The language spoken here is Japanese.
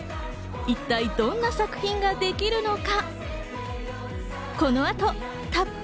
一体どんな作品ができるのか。